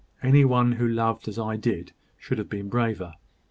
Any one who loved as I did should have been braver.